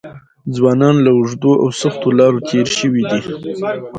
ځوانان له اوږدو او سختو لارو تېر شوي دي.